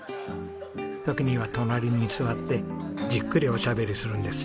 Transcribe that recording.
時には隣に座ってじっくりおしゃべりするんです。